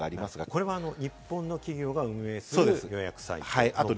これも日本の企業が運営する予約サイトですね。